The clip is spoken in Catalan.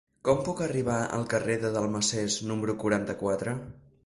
Com puc arribar al carrer de Dalmases número quaranta-quatre?